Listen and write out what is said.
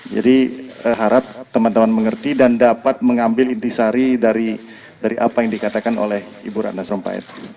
jadi harap teman teman mengerti dan dapat mengambil intisari dari apa yang dikatakan oleh ibu ratna sarumpait